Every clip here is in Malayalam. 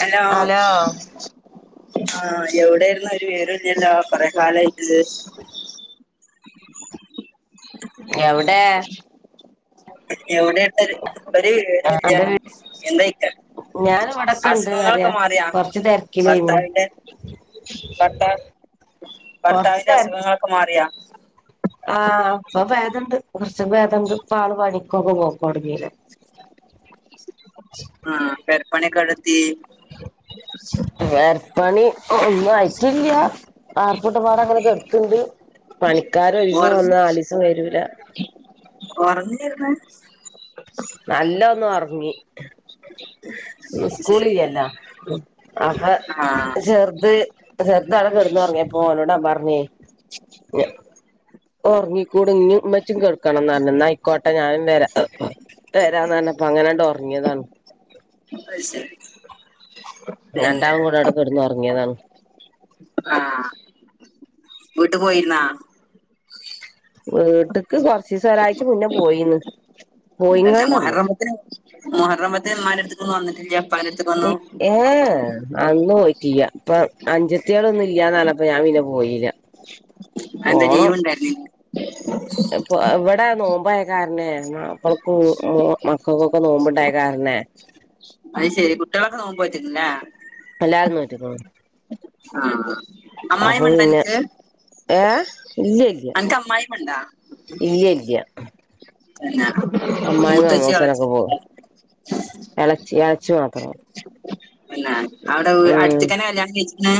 ഹലോ ആഹ്എവിടേയിരുന്നു ഒരു വിവരൊല്ല കൊറെ കാലായിട്ട് [inaudible] എവ്ടെ എവിടെട്ട്ഒരു വിവരു ആ എന്റെ വീ ഇല്ല ഞാൻ ഇവിടൊക്കെ അസുഖങ്ങളൊക്കെ ഇണ്ട്ന്നറിയാ മാറിയാ കൊറച്ച് തിരക്കിലായിരുന്നു ഭർത്താവിന്റെ ഭർത്ത് ഭർത്താവിന്റെ അസുഖങ്ങളൊക്കെ മാറ്യോ ആഹ് ഇപ്പൊ പേതണ്ട് കൊറചൊക്കെ പേതണ്ട് പ്പാള് പണിക്കൊക്കെ പോകും കൊട്ങ്ങില്ല [unintelligible] ആഹ് പെരപണി ഒക്കെ എഉടെത്തി പേര പ്പണി ഒന്നും ആയിട്ടില്ല വാർ കൂട്ട പാടങ്ങനെ കെട്ത്ത്ണ്ട് പണിക്കാര ഒരീസം വന്ന ഉറങ്ങി നാലിസം വരൂല ഒറങ്ങേര്ന്നെ നല്ലൊ ഒന്ന് ഒറങ്ങി ഇന്ന് ശരി സ്കൂളില്ലല്ലോ അപ്പൊ ആ ചെറ്ത് ചെറ്ത് അവിടെ കെടന്നു ഒറ്ങ്ങ്യപ്പോ ഓനോട് ഞാൻ പറഞ്ഞി ഒറങ്ങിക്കൂട് ഇഞ്ഞു ഇന്നച്ചും തെടക്കണംന്ന് പറഞ് ന്നാ ആയിക്കോട്ടെ ഞാനും വരാ വരാന്ന പറഞ്ഞപ്പോ അങ്ങനെണ്ട് ഒറ്ങ്ങിയതാണ് അയ് ശരി പിന്നെ രണ്ടാളും കൂടെ ഔടെ കെട്ന്നു ഒറങ്ങിയതാണ് ആ വീട്ട് പോയിരുന്നാ വീട്ട്ക്ക് കൊറ് ചീസം ഒരാഴ്ച്ച മുന്നെ പോയിന്ന് പിന്നെ പോയിങ്ങാണ്ടന്ന് മുഹറം പത്തിന്‌ മുഹറപ്പത്തിന് ഉമ്മാന്റെട്ത്ത് ക്കൊന്നും വന്ന്ട്ടില്ല ഏഹ് എ അന്ന് പോയിറ്റില്ല ഇപ്പ അഞ്ചത്ത്യളൊന്നും ഇല്ലാന്നറ്ഞ്ഞപ്പ ഞാൻ പിന്നെ പോയില്ല അ എന്താ ലീവ് ഉണ്ടായിരുന്നില്ലേ അപ്പൊ [unintelligible] ക്വ നോമ്പായക്കാരണെ [unintelligible] മക്കൾക്ക് മക്കൾക്കൊക്കെ നോമ്പുണ്ടായക്കാരണെ അഹ് ശെരി കുട്ട്യെളിക്കെ നോുമ്പോറ്റ് ണ്ല്ലേ എല്ലാരും നോറ്റ്ക്ക്ണ് ആഹ് അപ്പൊ അമ്മായിമ്മണ്ടോ പിന്നെ അനക്ക് ഏഹ് ഇല്ല്യല്ല അനക്ക് അമ്മായിമ്മണ്ടോ ഇല്ല്യല്ല ആഹ് അമ്മായിമ് അമ്മോസനൊക്കെ പോ ഉം എളച്ചി എളച്ചി മാത്ര അല്ല ഔടെ അടുത്ത്ക്കന്നെ കല്യാണം കഴിച്ക്ക്ണ്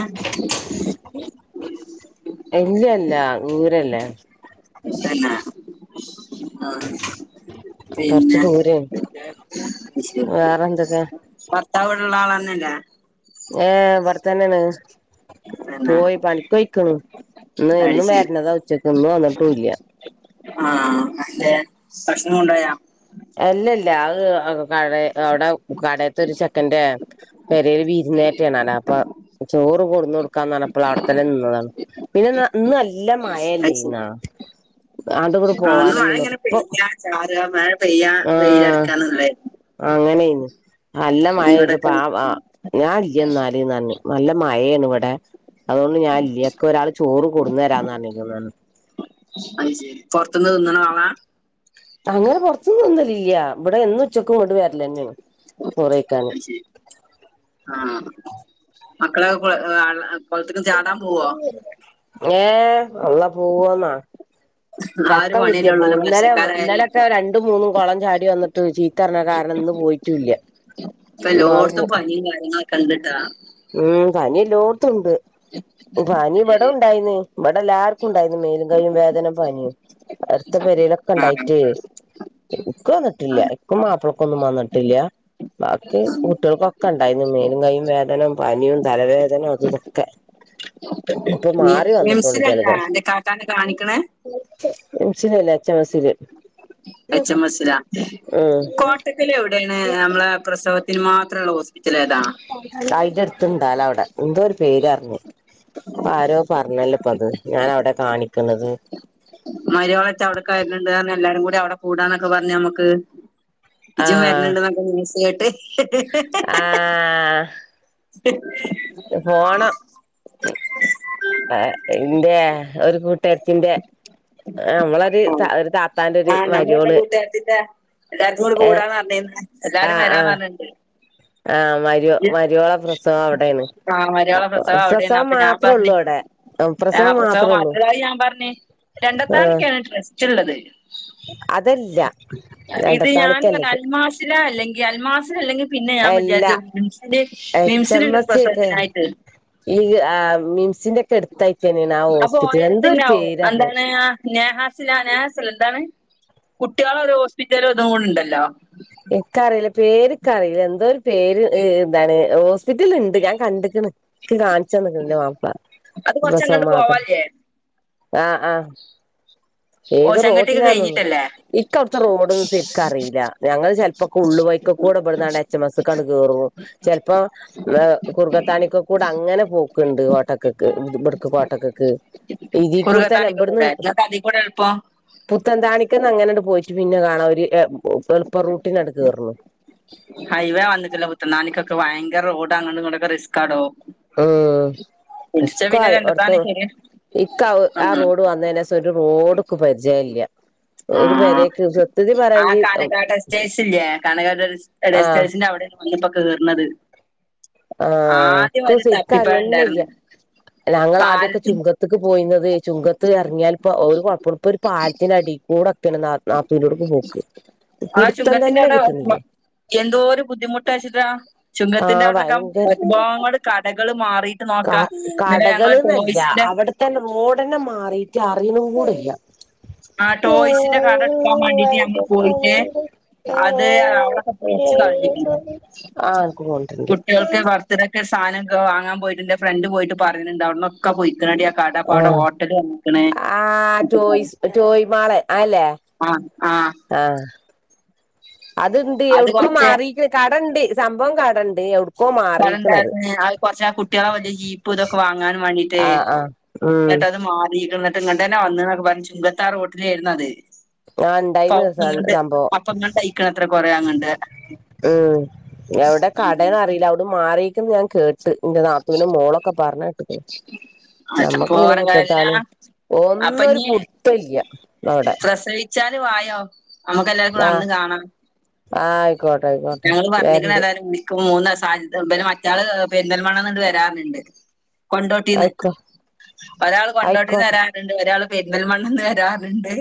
എല്ലല്ല ഊരല്ലേ പിന്നെ ആഹ് കൊറച്ച് പിന്നെ ദൂരെയാണ് വേറെന്തൊക്കെ ഭർത്താവ്ടുള്ള ആളാന്നല്ലെ ഏഹ് ഇബടെത്തന്നെണ് പിന്നെ പോയി പണിക്കോഴിക്ക്ണു ഇന്ന് അത് എന്നും ശരി വേര്ന്നതാ ഉച്ചക്ക്ക് ഇന്ന് വന്നിട്ടൂല്ല ആഹ്അന്റെ ഭക്ഷണം കൊണ്ടായ അല്ല ല്ല അഹ് കട അവിടെ കടയത്ത ഒരു ചെക്കൻറ പെരേൽ വിരുന്നെറ്റേണലാ അപ്പൊ ചോറ് കൊടുന്നൊടുക്കാന്ന്ണപ്പോൾ അവിടെത്തന്നെ നിന്നതാണ് പിന്നെ ഇന്ന നല്ല അത് ശരി മഴല്ലേന്നാ അത കൂടെ പോവാനൊന്നും പറ്റും ഇപ്പ ആ മഴ പെയ്യാ വെയിലടക്കാന്നല്ലേ ആ അങ്ങനെയ്നി നല്ല മഴ ഇത് പ ഞാൻ ഇല്ല എന്നാല് റഞ്ഞ് നല്ല മഴാണ് ഇവിടെ അതുകൊണ്ട് ഞാൻ ഇല്ല ക്ക് ഒരാള് ചോറ് കൊടന്ന് തരാന്ന് പറഞ്ഞരിക്കാണ് അത് ശരി പൊറത്തുന്ന് തിന്ന്ണ ആളാ അങ്ങനെ പുറത്തുനിന്ന്ലില്ല ഇവിടെ എന്നും ഉച്ചക്കും ഇ ങ്ങോട്ട് വര ലെന്യാണ് ചോറെയ്ക്കാന് അത് ശരി മക്കള് കൊളത്ത്ക്ക് ചാടാൻ പോവോ ഏ അള്ളാ പോവോന്നൊ ആ ഒരു തക്കം പണിയല്ലേ കിട്ടിയപ്പോവും ഉള്ളൂല്ലോ ഇന്നലെ വർഷക്കാലായാല് ഇന്നലെൊക്കെ രണ്ടും മൂന്നും കുളം ചാടി വന്നിട്ട് ചീത്തറിഞ്ഞ കാരണം ഇന്ന് പോയിട്ടുല്ല ഇപ്പ എല്ലോടത്തും പനിയും കര്യങ്ങള് ഇണ്ടിട്ടാ ഉം പനി ലോട്ത്തുണ്ട് പനി ഇവിടം ശരി ഉണ്ടായിന്ന് ഇവിടം എല്ലാർക്കും ഉണ്ടായിന്ന് മേലും കയും വേദനയും പനിയും അടുത്ത പെരയിലൊക്കെ ആഹ് ഉണ്ടായിട്ടേ എന്ക് വന്നിട്ടില്ല ഇൻക്കും മാപ ക്കൊന്നും വന്നിട്ടില്ല ബാക്കി കുട്ടികൾക്കൊക്കെ ഉണ്ടായി മേലും കൈയും വേദനേ പനിയും തലവേദന അതുതൊക്കെ ഇപ്പൊ മാറി വന്നിട്ടുണ്ട് മിംസിലല്ല ജലദോഷം അന്റെ കാക്കാനെ കാണിക്കണേ ഉ മിംസിലല്ല എച്ച് മെസി ല് എച് എംസില ഉം കോട്ടക്കൽ എവിടെയാണ് നമ്മളെ പ്രസവ ഇതിന് മാത്രമുള്ള ഹോസ് അയിന്റെ അടുത്ത് ഇണ്ടാല അവിടെ എന്തോ ഒരു പേര്റിഞ്ഞ അപ്പ ആരോ പറഞ്ഞല്ലപ്പ അത് ഞാൻവിടെ കാണി മരിയോളേച്ച അവിടെ കണ്ട് ക എല്ലാരും കൂടി അവിടെ കൂടാന്നൊക്കെ പറഞ്ഞ് നമുക്ക് ഇജും ആഹ് വരുന്നുണ്ട് ക്കെ [unintelligible] ആഹ് പോണം എന്റെ ഒരു കൂട്ടുകാ ത്തിന്റെ നമ്മളൊരു ഥാ ഓഹ് ഒരുതാ ആഹ് മ്മളത്തെകൂട്ടുകാരത്തിട്ടഎല്ലാർക്കും കൂടി ഏഹ് കൂടാന്ന് പറഞ്ഞി എല്ലാരും എല്ലാരും ആഹ് വരാന്ന് ആഹ് പറഞ്ഞ് ആഹ് മരി മരിയോളെ പ്രസവം അവിടെന്ന് ആഹ് മര്യാളെ പ്രസവം മാത്രേ ഉള്ളൂ അവിടെ. ആ പ്രസവം മാത്രേ പ്രസാവം ഉള്ളൂ മാത്രായി ഞാൻ പറഞ്ഞേ ആഹ് രണ്ടത്താണക്കാണ് ട്രസ്റ്റ് ഉള്ളത്. അതല്ല ഇത് ഞാൻ എടത്താണിക്കല്ലത് അൽമാസില അല്ലെങ്കിൽ അൽമാസില അല്ലെങ്കിൽ പിന്നെ പിന്നെ ഞാൻ അല്ല വിചാരിച്ച് മിംസില് എച്ച് എം മിംസിലിണ്ട് എസ് ഒക്കെ പ്രസവത്തിനായിട്ട്. ഈ മിംസിന്റെ ഒക്കെ എടുത്തായിട്ട് തന്നെയാണ് ആ അപ്പോ ഹോസ്പിറ്റൽ എന്തോ ഒരു പോയാത്തിന്നാവു പേരറിഞ്ഞ് ന്താണ്. നഹാസില നഹാസൽ എന്താണ് കുട്ടികളെ ഒരു ഹോസ്പിറ്റല ഒതും ണ്ടല്ലോ. പേര് കറില്ല എന്തോ ഒരു പേര് ഹ് എന്താണ് ഹോസ് പിറ്റല് ഇണ്ട് ഞാൻ കണ്ടിക്ക്ണ് ഇച്ച് കാണിച്ചെന്ന്ക്ക്ണ് ന്റെ മാപ്പിള അത് കൊറച്ചങ്ങട്ട് പോവാലെ ആഹ് ആഹ് ഓ ഏത് ചെങ്കട്ടിയൊക്കെ റോട്ടിനാന്നു കഴിഞ്ഞിട്ടല്ലേ ൻക്ക ഇക്ക അവിടുത്തെറോഡൊന്നും ശരിക്ക അറിയില ഞങ്ങള് ചെലപ്പോ ക്കെ ഉള് വയിക്കക്കൂടെ ഇമ്പടന്നാണ്ട് എച്ച മസ്ക്ക് ആണ്ട് കേറും ചെൽപ്പം കുർഗത്താണിക്കകൂടെ അങ്ങനെ പോക്കുണ്ട് കോട്ടകക്ക്. ടക്ക് കോട്ടകക്ക് ഇതിക്കൂടുത്തന്നെ കുറുകത്താണിക്ക് ബട്ന്ന് കൂടെ ഇങ്ങക്ക് അതി കൂടെ എളുപ്പം പുത്തൻന്താണിക്കന്ന് അങ്ങനണ്ട് പോയിട്ട് പിന്നെ കാണാം ഒര് ഇപ്പൊ റൂട്ടിനട് കേറർണു. ഹൈവേ വന്നിട്ടില്ലേ പുത്ത നാനിക്കൊക്കെ ഭയങ്കര റോഡ് അങ്ങട്ട് ഇങ്ങടെക്കെ റിസ്ക്ക് ആ ടോ. ഉം പിന്നെ രണ്ടത്താണി [unintelligible] ശരി ഇക്ക ആ ഉം റോഡ് വന്നെനേശം ഒരു റോഡ് ക്ക് പരിചയല്ല. ആ, ആ കണക്കാട് റെസ്റ്റ്റ്റേഴ്സ് ഇല്ലോ കണക്കാട് ആ സ്റ്റേഴ്സിന്റെ അവിടെ വന്ന്പ്പ കഴറുന്നത്. ആഹ, ഇക്ക് ശരിക്ക തപ്പിപ്പഴം അറിയന്നല്ല. ഉണ്ടായിരുന്നു ഞങ്ങൾ ആദ്യക്കെ പാലത്തിന്റെ ചുങ്കത്തക്ക് പോയിന്നത് ചുങ്കത്ത് ഇറങ്ങിയാ പ്പംഒരു കുഴപ്പ ഇപ്പൊ ഒരു പാലത്തിന അടി കൂടെ ഒക്കെ നാത്തു നാത്തൂനോട്ക്ക് പോക്ക്. ആ പുടുത്തം ചുഖത്തിന്റെ തന്നെ അട കിട്ടണില്ല എന്തോ ഒരു ബുദ്ധിമുട്ടച്ചിട്ട. ആഹ് ഭയങ്കര ചുഖത്തിന്റെഅവിടെൊക്കെഒരു പാട്, കടകൾ മാറിയിട്ട് നോക്കാം ഇന്നലെ ഞങ്ങൾ ടോയ്സിന്റെ അവിടത്തെന്നെ റോഡ് തന്നെ മാറിട്ട് അറിണു കൂടില്ല. ആ ടോയ്സിന്റെ കടടുക്കാൻ മാണ്ടിട്ട്, ഞങ്ങൾ പോയിട്ട് അത് അവിടെൊക്കെ പെളിച്ച് കള നീട്ട്ണ്. ആഹ് അനക്ക് പോണ്ടിട്ടുണ്ട് കുട്ടികൾക്ക്ബർത്ത്ഡേക്ക് സാധനം വാങ്ങാൻ പോയിട്ട് എന്റെ ഫ്രണ്ട് പോയിട്ട് പറന്നുണ്ട് അവിടൊക്കെ പോയ്. അതാടി, കടപ്പാട ആഹ് ഹോട്ടൽ വന്ന്ക്ക്ണ്. ജോയി മാളെ ആല്ലേ. ആ ആഹ? അത്ണ്ട് അത് ഔട്ക്കും കൊറച്ച് മാറിക്ക്ണ് കടണ്ട് സംഭവം കടണ്ട് ഔ [unintelligible] കുറച് കുട്ടികളെ ജീപ്പ ഇതൊക്കെ വാങ്ങാൻ വേണ്ടിട്ട്. ആഹ് ആഹ് ഉം ഇങ്ങട്ട് മാറീണ് എന്നിട്ട് ഇങ്ങട്ട്ന്നെ വന്നൊക്കെ പറഞ്ഞഞ് ചുങ്കത്താ റോട്ടില ആരുന്നു അത്. ആഹ് ഇണ്ടായിന്ന് പപ്പങ്ങണ്ട് സംഭവം പപ്പങ്ങഴക്കണ അത്ര കൊറ അങ്ങണ്ട്. ഉം. എവിടെ കടന അറിയില്ല അവിടെ മാറിരിക്കന്ന് ഞാൻ കേ ്ഇന്റെ നാത്തുവിനെ മോളൊക്കെ പറഞ്ഞേട്ട്ക്ണ്. അപ്പൊ നമ്മക്ക് പിന്നെ ഓരല്ല അപ്പൊ പുത്തത്താണിഒന്നും ഒരു ഇനി പുടുത്തല്ല അവിടെ. ഉച്ചാല് വായോ നമ്മുക്ക് എല്ലാവർക്ക കൂടി അന്ന് കാണാം. ആ ഞങ്ങള്. പറഞ്ഞിക്കണ്ഏായാലും മൂന്ന്സം. [unintelligible] മറ്റാള് പെന്തൽമണെന്ന്, വരാർന്നു. കൊണ്ടോട്ടീന്ന് ആയിക്കോ ഒരാൾ കൊണ്ടോട്ടീന്ന് ആയിക്കോട്ടെ വരാറുണ്ട് ഒരാൾ പെരീന്തമൽമണ്ണിൽ നിന്ന് വരാ ണ്ട്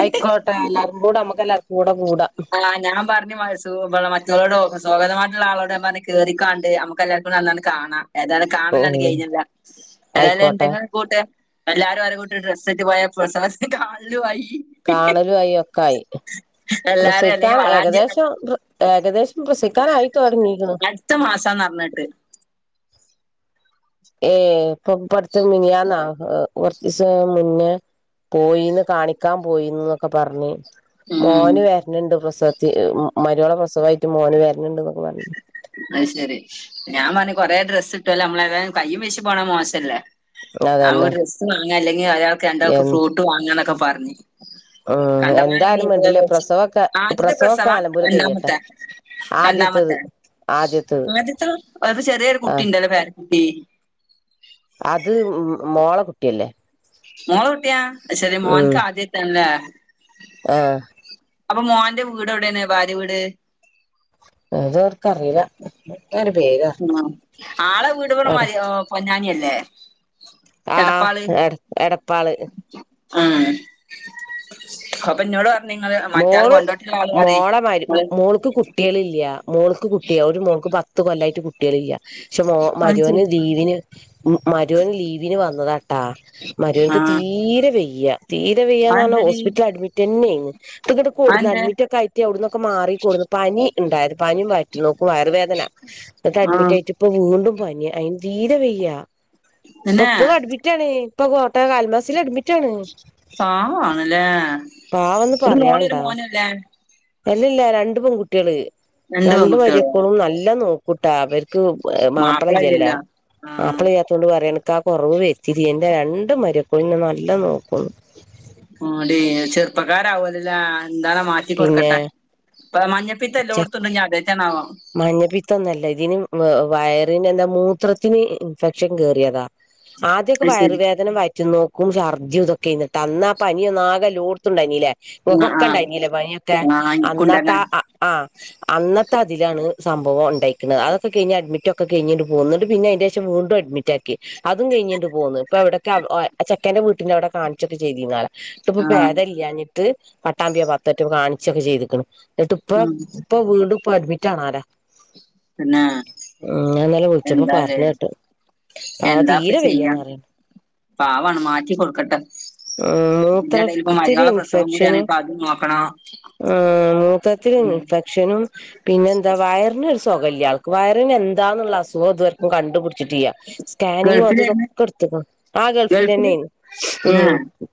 ആയിക്കോട്ടെ എല്ലാർക്കും കൂടെ നമ്മുക്ക് എല്ലാർക്കും കൂടെ കൂടാ ആഹ് ഞാൻ പറഞ്ഞു [unintelligible] മറ്റുള്ളളോട് സ്വാഗതമായി. [unintelligible] പറ കേറാണ്ട് നമുക്ക് എല്ലാവർുംൂടി അനാണ് കാണാം ഏതായാലും കാണലാണ് ഉം കഴിഞ്ഞില്ല ഏതായാലും ആയിക്കോട്ടെ എന്തെങ്കിലും കൂട്ട എല്ലാരും ഓരോ കൂട്ട് ഡ്രസ്സ് ആയിട്ട്പോയ പ്രസ [unintelligible] കാണു ആയി, കാണലും ആയി ഒക്കെ ആയി എല്ലാരും അല്ലെങ്കി പ്രസിക്കാൻ വളാഞ്ചി ഏകദേശം ഏകദേശം പ്രസവിക്കാനായി. തുടങ്ങിക്ക്ണ് അടുത്ത മാസാന്ന് അറിഞ്ഞിട്ട്- ഏ ഇപ്പൊ അടുത്ത് മിനിയാന്നാ കുറച്ച് ദിവസമുന്നേ പോയിന്ന് കാണിക്കാൻ പോയിന്നൊക്കെ പറഞ്ഞ് ഉം മോന് വരണുണ്ട് പ്രസവത്തി മരുമോളുടെപ്രസവമായിട്ട് മോന് വരണ്ടുണ്ട് എന്നൊക്കെ പറഞ്ഞു. അത് ശരി. ഞാൻ പറഞ്ഞഞ് കൊറെേ ഡ്രസ്സ് കിട്ടുവല്ലേ നമ്മളേ തായും കയ്യും വിശിപോണേ മോശമല്ലേ? ഒരു അതന്നെ ഡ്രസ്സ് വാങ്ങാൻ അല്ലെങ്കിൽ ഒരാൾക്ക് എ രണ്ടാൾക്ക് ഫ്രൂട്ട് വാങ്ങാന്നൊക്കെ പറഞ്ഞ് ഉം കണ്ടമാനം എന്തായാലും പേര് വേണ്ടില്ല വച്ച് പ്രസവൊക്കെ ആദ്യത്തെ പ്രസവൊക്കെ പ്രസവവാ? നല്ലമ്പോലെ കയ്യട്ടെ രണ്ടാമത്തെ? ആദ്യത്തത് രണ്ടാമത്തെ. ആദ്യത്തത് ഒരു ചെറിയൊരു കുട്ടി ആഹ് ഉണ്ടല്ലോ? പേരകുട്ടി? ല്ലെ? മോളുടെ കുടിയാ ശരി മോന്റെ ആദ്യത്തെ അല്ലേ? ആഹ് അപ്പൊ മോന്റെ വീട് എവിടെയാണ്? ഭാര്യ വീട്? അത അവർക്കറിയില്ല. എന്തോ ഒരു പേര് പറഞ്ഞ്. ആഹ് ആളെ വീട് മതി പൊന്നാനിയല്ലേ? ആ എടപ്പാള് എ എടപ്പാള്. ആ അപ്പൊഎന്നോട് പറഞ്ഞ മോള് മോളെ മരി ഇങ്ങള് മോൾക്ക് കുട്ടികളില്ല. മോൾക്ക് കുട്ടിയാ. ഒരു മോൾക്ക് പത്ത് കൊല്ലായിട്ട് കുട്ടികൾ ഇല്ല. പക്ഷെ മോ- അത് ശരി ആഹ് തീരെ വയ്യ തീരെ വയ്യാന്ന്പറഞ്ഞാ അതെന്തടി ഹോസ്പിറ്റലില്അഡ്മിറ്റ് തന്നെയാണ്. ട്ട് ഗണ്ട് കൂടുന്നു അതെന്തേ അഡ്മിറ്റ് ഒക്കെ ആയിട്ടി അവിടന്നൊക്കെ മാറിക്കൂടുന്നു പനി ഉണ്ടായിത് പനിയും വയറ്റ്നോക്കും വയറുവേദന നെട്ട് അഡ്മിറ്റ് ആഹ് ആയിട്ട് ഇപ്പ വി ണ്ടും പനി അതിന് തീരെ വയ്യ. ഇപ്പ പിന്നെ ഇപ്പോഴും അഡ്മിറ്റാണ്. ഇപ്പ കോട്ടക്കൽ അൽ മാസിൽഅഡ്മിറ്റ് പാവമാണല്ലേ പാവന്ന് ഒരു മോളും ഒരു പറയാണ്ടാ മോനും അല്ലേ? അല്ലല്ല രണ്ട് പെൺകുട്ടികള്. രണ്ട് രണ്ടു പെൺകുട്ടികളോ മരുമക്കളും നല്ല നോക്കൂട്ടാ അവർക്ക് ക്ക് മാപ്പിള ഇല്ലല്ലോ. ആഹ് മാപ്പിള ഇല്ലാത്ത കൊണ്ട് പറയണ ക്കാ കുറവ് വത്തിരിയില്ല. എന്റെ രണ്ടു മരുമക്കളും നല്ല നോക്കുന്നു. ആടി ചെറുപ്പക്കാരാവലല്ല എന്താലു പിന്നെ മാറ്റികൊടുക്കട്ടെ. ഇപ്പ മഞ്ഞപ്പിത്തംഎല്ലാം ഒടുത്തു ഉണ്ട്. അധെറ്റ ആണോആവോ? മഞ്ഞപ്പിത്തം ഒന്നല്ല ഇതിന് വയറിന്റെ എന്താ മൂത്രത്തിന് ഇൻഫെക്ഷൻ കേയറിയതാ. ആദ്യൊക്കെ അത് ശരി വയറുവേദന വയറ്റിനോ കും ശർദ്ദി ഇതെക്കെയായിരുന്നു. അന്നാ ആ പനിഎല്ലോടുത്തുഉണ്ടായിനി ല്ലേ? ആഹ് നമ്മുക്കൊക്കെ ആഹ് ഉണ്ടായിനി പനിയൊക്കെ ആഹ് ഇൻക്കുണ്ടങ്ങനെ അന്നത്തെ ആ അന്നത്തെ അതിലാണ് സംഭവം ഉണ്ടായിക്കുന്നത്. അതൊക്കെ കഴിഞ് അഡ്മിറ്റൊക്കെ കഴിഞ്ഞിപോകുന്നുപിന്നെ അതിനു ശേഷംവീണ്ടും അഡ്മിറ്റാക്കി. അതും കഴിഞ്ഞിട്ട് പോന്നു. ഇപ്പൊ അവിടെക്കെ ചെക്കന്റെ വീട്ടിന്റെ അവിടെ കാണിച്ചൊട്ട് ചെയ്തിരന്നാല നിട്ട് ഇപ്പൊ ആഹ് ഭേദം ഇല്ലാഞ്ഞിട്ട് പട്ടാമ്പി അ ഭാഗത്തൊക്കെ കാണിച്ചൊക്കെ ചെയ്തിക്കണ്. എന്നട്ട് ഇപ്പ ഉം ഇപ്പൊ വീണ്ടും ഇപ്പ അഡ്മിറ്റ് ആല്ലേ? പിന്നെ ഉം. ഞാനിന്നലെ വിളിച്ചപ്പം എന്താലേ പറഞ്ഞ് കേട്ട്. പാവം എന്താപ്പ തീരെ ചെയ്യാ വയ്യാന്ന് പറഞ്ഞ്. പാവാണ് മാറ്റി കൊടുക്കട്ടെ. ഇതിന്റെ ഇടയിൽ ഇപ്പ മൂത്രത്തിരി മരിമകളുടെ പ്രസവം കൂടിയാണ് ഇപ്പൊ അതും നോക്കണം. ഉം. മൂത്രത്തിൽ ഉം ഇൻഫെക്ഷനും പിന്നെന്താവ വയറിന് ഒരു സുഖമില്ല ആൾക്ക് വയറിന് എന്താന്നുള്ള അസുഖം ഇതുവരെയ്ക്കും കണ്ടുപിടി ട്ടില്ല. സ്കാനിങ്ങും അത് ഗൾഫിലായിരുന്നു ഇതൊക്കെ എടുത്തേക്കണു. ആ ഗൾഫിൽ ഗൾഫില് തന്നെയാ. ഉം. ആ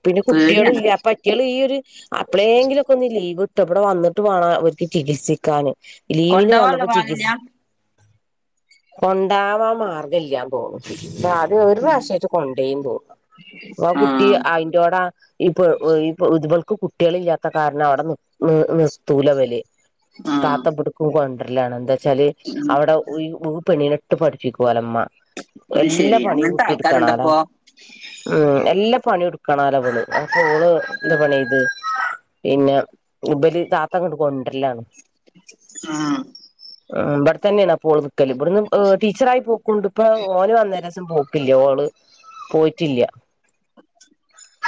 പിന്നെ കുട്ടികളും പേടിയാണ് ഇല്ല അ പറ്റികള് ഈ ഒരുത് അപ്പളെങ്കിലൊക്കെ ലീവ് കിട്ടി ഇവിടെ വന്നിട്ട് വേണം അവർക്ക് ചികിത്സിക്കാന് ലീവിന് കൊണ്ടോവാനുള്ള വന്നപ്പോ ഭാഗില്ല ചികിത്സ കൊണ്ടാവാൻ മാർഗമില്ലണ് തോന്നുന്നു അ അദ്യ ഒരു പ്രാവശ്യമായിട്ട് കൊണ്ടേയി തോനുന്നു ആ കുട്ടി അതിന്റെറോടാ ഇപ്പൊ ഇ ഇത് വ ക്ക് കുട്ടികൾ ഇല്ലാത്ത കാരണം അവിടെ നിർത്തൂല ഇവൽ ആ താത്ത ഇബട്ക് കൊണ്ടുറും [unintelligible] എന്താ വെച്ചാല് ഉം അവിടെ ഇ പെണീനെട്ട് പഠപ്പികോളേ ഇമ്മ അത് എല്ലാ ശെരി പണിം അങ്ങനത്തെ കൂട്ടി എടുക്കാനൊലെ ആൾക്കാരുണ്ടപ്പോ ഉം എല്ലാ പണിയ എടുക്ക കണാലവ ള് അപ്പൊ ഓള് ന്ദ് പണി ചെയ്‌ത് പിന്നെ ഉബൽ താത്ത അങ്ങോട് കൊണ്ടല്ലാണ് ആ ഉ ഇവിടെ തന്നെയണാ ഓൾ നിക്കൽ ഇവിടുന്ന് ടീച്ചറായി പോക്കുണ്ട് ഇപ്പൊ ഓന് വന്നേരസം പോ ക്കില്ല ഓള് പോയിറ്റില്ല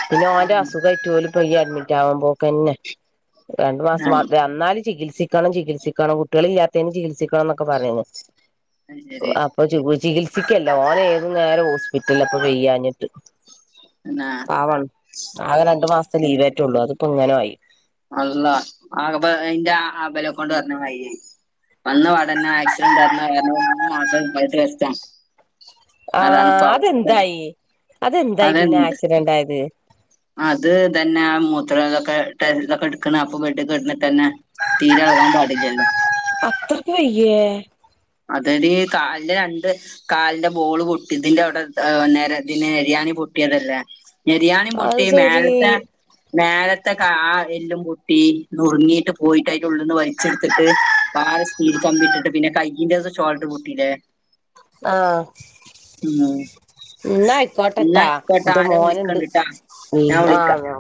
പിന്നെ ഓന്റെ അസുഖം ഏറ്റ് ഓല് പ്പ ഇ അഡ്മിറ്റ് ആവാൻ പോക്കെന്നെ രണ്ടു ആ മാസം വന്നാല് ചികിത്സിക്കണം ചികിത്സിക്കണം കുട്ടികളെ ഇല്ലാത്തേന് ചികിത്സിക്കണം ക്കെ പറയുന്നു അത് ശരി അപ്പൊ ചി ിക്കല്ല ഒന് ഏതു നേരം ഹോസ്പിറ്റല ഇപ്പ വെയ്യഞ്ഞിട്ട് എന്നാ പാവണ് ആകെ രണ്ടു മാസത്തെ ലീവറ്റള്ളൂ അതിപ്പോ ഇങ്ങനെ ആയി അല്ല ആകപ്പ അന്റെ അ ബലം കൊണ്ട് പറഞ്ഞമാതിരിയായി വന്നപടന്നന്നെ ആക്സിഡന്റ് ആയിരുന്ന കാരണം മൂന്ന് മാസം [unintelligible] റസ്‌റ്റ ആ അതാണ്പ്പ അവസ്ഥ അതെന്തായി അതെന്തായി പിന്നെ അതെന്ത് ആക്സിഡന്റ് ആയത് അത് തന്നെ മൂത്ര എടുക്ക അപ്പൊ തന്നെ തീരെ പാടില്ലല്ലോ അത്രക്ക് വയ്യേ അതത് ഈ കാലിന്റെ രണ്ട് കാലിന്റെ ബോള് പൊട്ട് ഇതിന്റെ അവിടെ നേ ഇന് എരിയാനി പൊട്ടിയതല്ലേ മെരിയാണിയ പൊട്ടി അത് ശരി മേലത്തെ നേലത്തെ ആ എല്ലും പൊട്ടി നുറുങ്ങിയിട്ട് പോയിട്ടായിട്ട് ഉള്ളിൽന്ന് വഴച്ചെടുത്തിട്ട് ആ സ്പീൽ കമ്പി ഇട്ടിട്ട് പിന്നെ കയ്യിിന്റെ ോൾട്ട് പൂട്ടീല്ലേ ആഹ ആ ഇന്ന ആയിക്കോട്ടട്ടാ ഇന്റെ മോനുണ്ട് വിളിക്കണ്ട് ട്ടാ ഉ ഞാൻ ആഹ വിളിക്കാം നോ